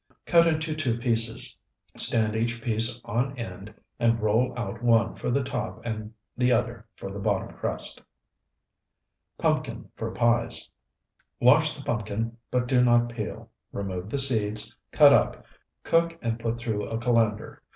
Cut into two pieces, stand each piece on end, and roll out one for the top and the other for the bottom crust. PUMPKIN FOR PIES Wash the pumpkin, but do not peel; remove the seeds, cut up, cook and put through a colander.